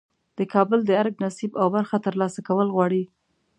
د کابل د ارګ نصیب او برخه ترلاسه کول غواړي.